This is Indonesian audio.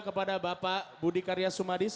kepada bapak budi karya sumadis